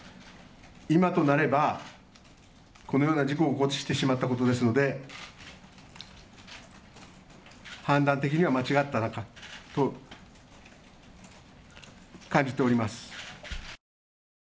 今となればこのような事故を起こしてしまったので判断的には間違ったのかなと感じております。